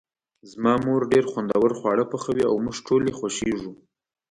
زما مور ډیر خوندور خواړه پخوي او موږ ټول یی خوښیږو